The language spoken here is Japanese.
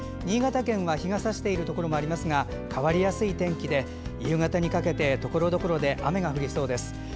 新潟県は日がさしているところもありますが変わりやすい天気で夕方にかけてところどころで雨が降りそうです。